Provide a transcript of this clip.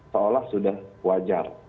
seolah sudah wajar